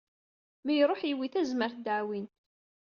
Mi iruḥ yewwi tazmert d aɛwin.